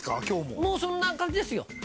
今日ももうそんな感じですよ